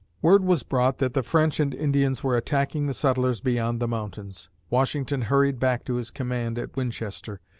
Word was brought that the French and Indians were attacking the settlers beyond the mountains. Washington hurried back to his command at Winchester.